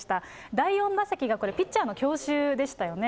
第４打席がこれ、ピッチャーの強襲でしたよね。